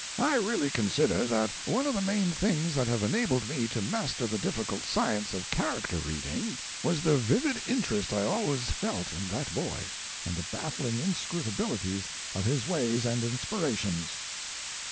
I really consider that one of the main things that have enabled me to master the difficult science of character reading was the vivid interest I always felt in that boy and the baffling inscrutabilities of his ways and inspirations."